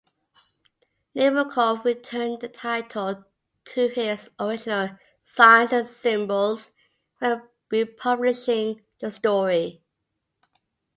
Nabokov returned the title to his original "Signs and Symbols" when republishing the story.